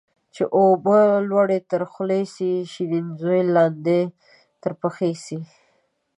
چي اوبه لوړي تر خولې سي ، شيرين زوى لاندي تر پښي سي